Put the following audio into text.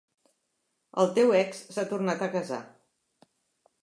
El teu ex s'ha tornat a casar.